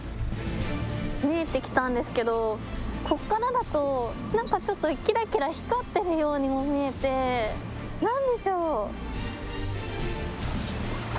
見えてきたんですけどここからだと何かちょっときらきら光っているようにも見えて、何でしょう？